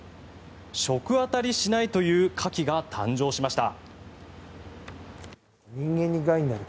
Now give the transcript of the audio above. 食あたりしないというカキが誕生しました。